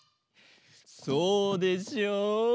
そうでしょう？